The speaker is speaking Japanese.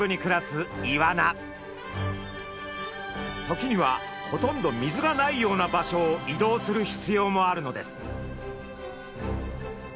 時にはほとんど水がないような場所を移動する必要もあるのです。